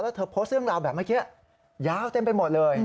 แล้วเธอโพสต์เรื่องราวแบบเมื่อกี้ยาวเต็มไปหมดเลย